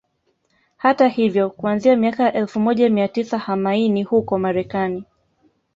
Hata hivyo kuanzia miaka ya elfu moja mia tisa hamaini huko Marekani